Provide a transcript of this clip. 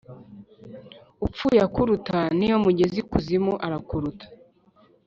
Upfuye akuruta niyo mugeze ikuzimu arakuruta.